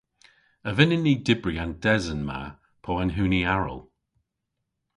A vynnyn ni dybri an desen ma po an huni aral?